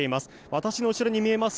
私の後ろに見えます